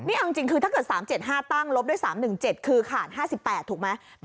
นี่เอาจริงคือถ้าเกิด๓๗๕ตั้งลบด้วย๓๑๗คือขาด๕๘ถูกไหม